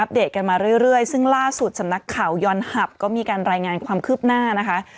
เดตกันมาเรื่อยซึ่งล่าสุดสำนักข่าวยอนหับก็มีการรายงานความคืบหน้านะคะ